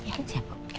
iya siap bu